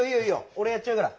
俺やっちゃうから。